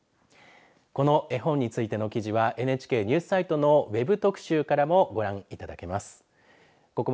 この絵本についての記事はＮＨＫニュースサイトのＷＥＢ特集からもご覧いただけます。